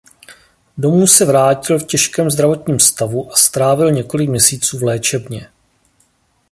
Domů se vrátil v těžkém zdravotním stavu a strávil několik měsíců v léčebně.